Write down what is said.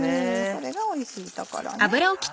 それがおいしいところね。